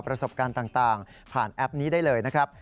ประสบการณ์ต่างผ่านแอปนี้ได้เลยนะครับ